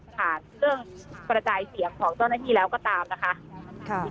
ผ่านเครื่องกระจายเสียงของเจ้าหน้าที่แล้วก็ตามนะคะ